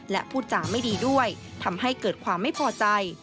และพูดจาไม่ดีด้วยทำให้เกิดความไม่พอใจ